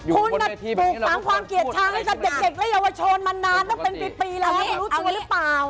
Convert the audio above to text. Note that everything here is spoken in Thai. มันเป็นปีแล้วคุณรู้ชัวร์หรือเปล่า